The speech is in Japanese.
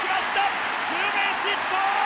ツーベースヒット！